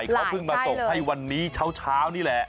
เขาเพิ่งมาส่งให้วันนี้เช้านี่แหละ